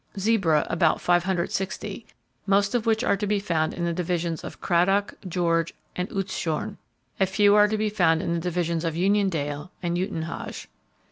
Zebra: About 560, most of which are to be found in the divisions of Cradock, George and Oudtshoorn. A few are to be found in the divisions of Uniondale and Uitenhage.